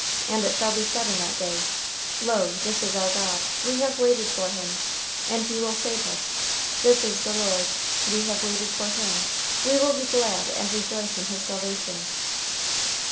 And it shall be said in that day, Lo this is our God; we have waited for him, and he will save us; this is the Lord; we have waited for him, we will be glad and rejoice in his salvation."